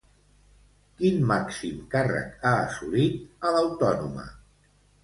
Quin màxim càrrec ha assolit a l'Autònoma?